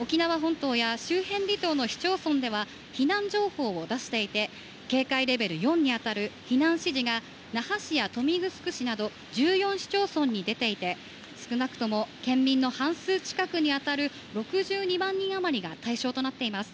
沖縄本島や周辺離島の市町村では避難情報を出していて警戒レベル４に当たる避難指示が那覇市や豊見城市など１４市町村に出ていて少なくとも県民の半数以上に当たる６２万人余りが対象となっています。